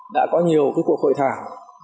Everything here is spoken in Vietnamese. đã có nhiều cái cuộc hội thảo